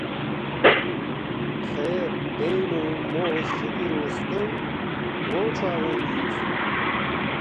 خیر دینگ نُو مو شُوکُورُو ستونگ گو کھروا اونگمی اِنسُوک